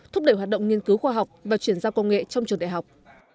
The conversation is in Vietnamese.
thúc đẩy hoạt động nghiên cứu khoa học và chuyển giao công nghệ trong trường đại học